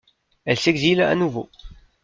Elle s'exile à nouveau.